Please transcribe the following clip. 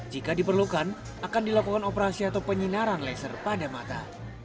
jika diperlukan akan dilakukan operasi atau penyinaran laser pada mata